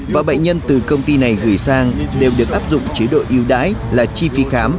và bệnh nhân từ công ty này gửi sang đều được áp dụng chế độ yêu đái là chi phí khám